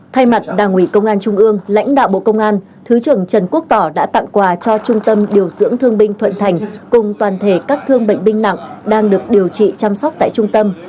thay mặt đảng ủy công an trung ương lãnh đạo bộ công an thứ trưởng trần quốc tỏ đã tặng quà cho trung tâm điều dưỡng thương binh thuận thành cùng toàn thể các thương bệnh binh nặng đang được điều trị chăm sóc tại trung tâm